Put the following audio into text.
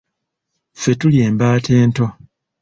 Ffe tuli embaata ento